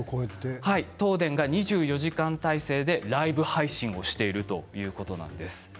東電が２４時間体制でライブ配信をしているということなんです。